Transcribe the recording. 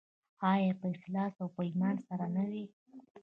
آیا په اخلاص او ایمان سره نه وي؟